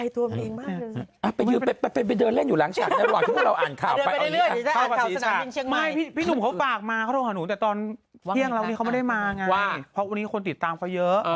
เท่านี้เขาไม่ได้มาไงว่าว่าวันนี้คนติดตามเขาเยอะ